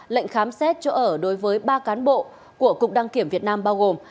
lệnh khám xét chỗ ở đối với ba cán bộ của cục đăng kiểm việt nam bao gồm